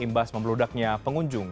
imbas membeludaknya pengunjung